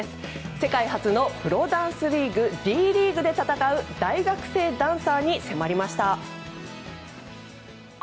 世界初のプロダンスリーグＤリーグで戦う大学生ダンサーに迫りました。